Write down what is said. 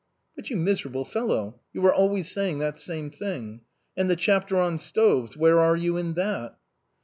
" But you miserable fellow, you are always saying the same thing. And the chapter on stoves — where are you in that?"